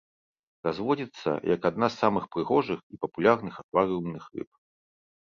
Разводзіцца як адна з самых прыгожых і папулярных акварыумных рыб.